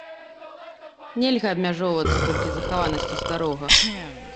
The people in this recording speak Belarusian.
Нельга абмяжоўвацца толькі захаванасцю старога.